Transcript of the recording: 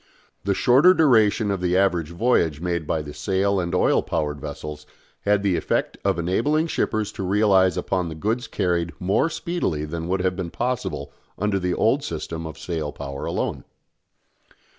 The shorter duration of the average voyage made by the sail and oil power vessels had the effect of enabling shippers to realise upon the goods carried more speedily than would have been possible under the old system of sail power alone.